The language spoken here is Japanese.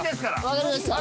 分かりました。